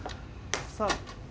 さあ。